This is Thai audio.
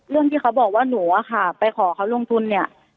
ที่เขาบอกว่าหนูอะค่ะไปขอเขาลงทุนเนี่ย